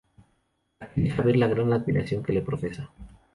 Aquí deja ver la gran admiración que le profesa.